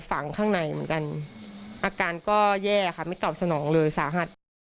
ฝังข้างในเหมือนกันอาการก็แย่ค่ะไม่ตอบสนองเลยสาหัส